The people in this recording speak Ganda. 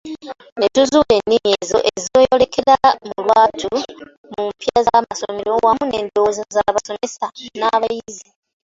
Ne tuzuula ennimi ezo ezeeyolekera mu lwatu mu mpya z'amasomero wamu n'endowooza z'abasomesa n'abayizi.